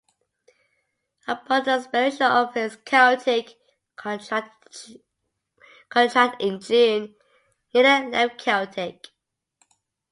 Upon the expiration of his Celtic contract in June, Naylor left Celtic.